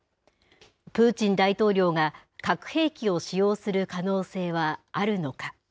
プーチン大統領が核兵器を使用する可能性はあるのか。